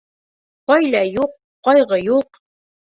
Ғаилә юҡ, ҡайғы юҡ!